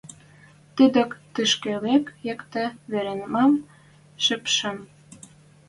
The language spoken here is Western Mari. Тӹдок тишкевек якте веремӓм шыпшын...